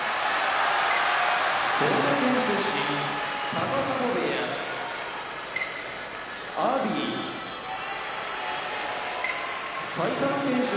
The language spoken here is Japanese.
富山県出身高砂部屋阿炎埼玉県出身